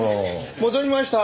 戻りました。